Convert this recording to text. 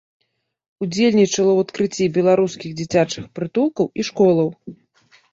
Удзельнічала ў адкрыцці беларускіх дзіцячых прытулкаў і школаў.